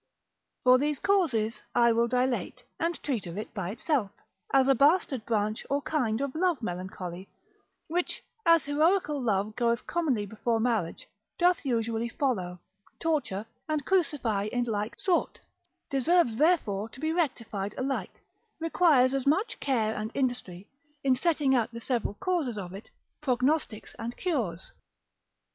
For these causes I will dilate, and treat of it by itself, as a bastard branch or kind of love melancholy, which, as heroical love goeth commonly before marriage, doth usually follow, torture, and crucify in like sort, deserves therefore to be rectified alike, requires as much care and industry, in setting out the several causes of it, prognostics and cures.